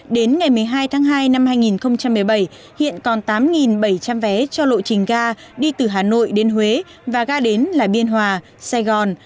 đến ngày một mươi hai tháng hai năm hai nghìn một mươi bảy hiện còn tám bảy trăm linh vé cho lộ trình ga đi từ hà nội đến huế và ga đến là biên hòa sài gòn